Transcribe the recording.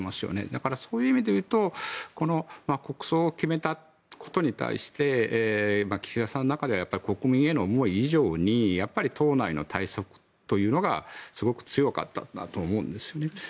だから、そういう意味で言うとこの国葬を決めたことに対して岸田さんの中では国民への思い以上に党内の対策というのがすごく強かったんだと思うんですよね。